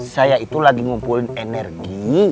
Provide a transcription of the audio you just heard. saya itu lagi ngumpulin energi